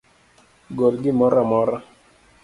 Gol gimoro amora